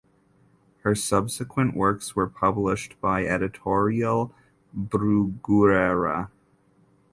Her subsequent works were published by Editorial Bruguera.